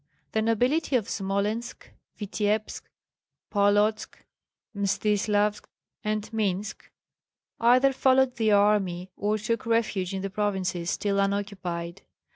The nobility of Smolensk, Vityebsk, Polotsk, Mstislavsk, and Minsk either followed the army or took refuge in the provinces still unoccupied.